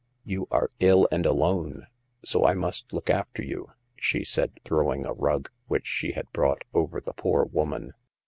"You are ill and alone, so I must look after you," she said, throwing a rug, which she had brought, over the poor woman."